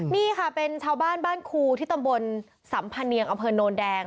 นี่ค่ะเป็นชาวบ้านบ้านครูที่ตำบลสัมพะเนียงอำเภอโนนแดง